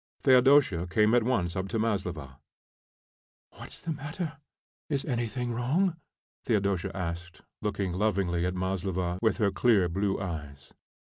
Theodosia came at once up to Maslova. "What's the matter; is anything wrong?" Theodosia asked, looking lovingly at Maslova with her clear, blue eyes.